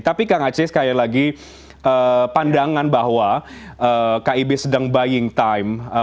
tapi kang aceh sekali lagi pandangan bahwa kib sedang buying time